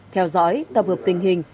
theo dõi tập hợp tình hình